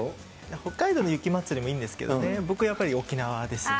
北海道の雪まつりもいいんですけれどもね、僕、やっぱり沖縄ですね。